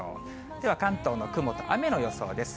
では関東の雲と雨の予想です。